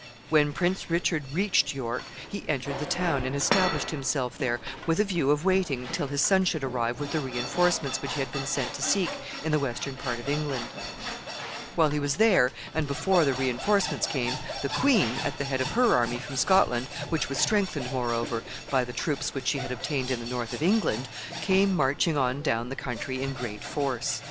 When Prince Richard reached York, he entered the town, and established himself there, with a view of waiting till his son should arrive with the re enforcements which he had been sent to seek in the western part of England. [Illustration: WALLS OF YORK.] While he was there, and before the re enforcements came, the queen, at the head of her army from Scotland, which was strengthened, moreover, by the troops which she had obtained in the north of England, came marching on down the country in great force.